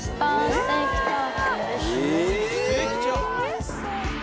ステーキチャーハン？